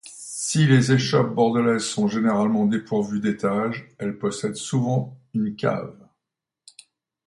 Si les échoppes bordelaises sont généralement dépourvues d'étage, elles possèdent souvent une cave.